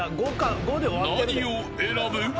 何を選ぶ。